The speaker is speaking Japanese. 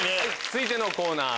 続いてのコーナー